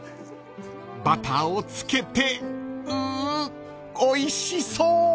［バターを付けてうおいしそう！］